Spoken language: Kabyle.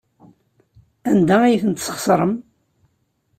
Anda ay tent-tesxeṣrem?